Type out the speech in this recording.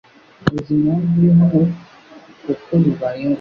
Uzi impamvu uri hano kuko bibaye ngombwa